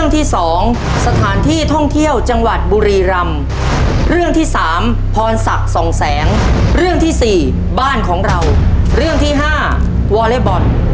ที่สถานที่ท่องเที่ยวจังหวัดบุรีรำครับ